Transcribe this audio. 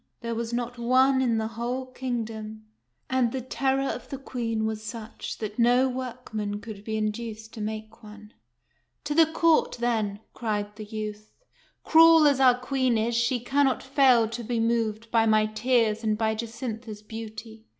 There was not one in the whole kingdom ; and the terror of the Queen was such that no workman could be in duced to make one. "To the court, then !" cried the youth. " Cruel as our Queen is, she cannot fail to be moved by my tears and by Jacintha's beauty.